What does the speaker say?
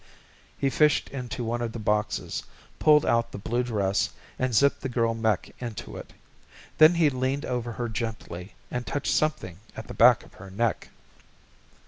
He fished into one of the boxes, pulled out the blue dress and zipped the girl mech into it. Then he leaned over her gently and touched something at the back of her neck.